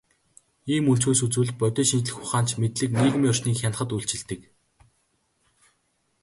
Ийм өнцгөөс үзвэл, бодит шинжлэх ухаанч мэдлэг нийгмийн орчныг хянахад үйлчилдэг.